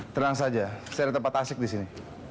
tenang saja saya ada tempat asik disini